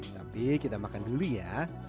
tapi kita makan dulu ya